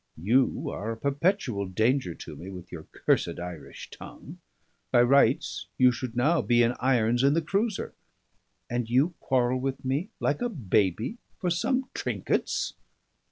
You are a perpetual danger to me with your cursed Irish tongue. By rights you should now be in irons in the cruiser. And you quarrel with me like a baby for some trinkets!"